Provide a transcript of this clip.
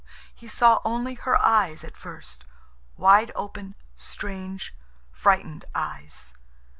He saw only her eyes at first, wide open, strange, frightened eyes.